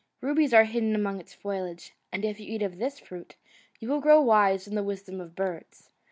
Rubies are hidden among its foliage, and if you eat of this fruit, you will grow wise in the wisdom of birds.